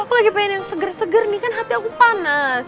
aku lagi pengen yang seger seger nih kan hati aku panas